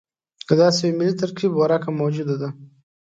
د داسې یوه ملي ترکیب ورکه موجوده ده.